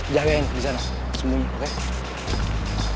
jagain di sana semuanya oke